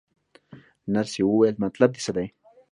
نرسې وویل: مطلب دې څه دی؟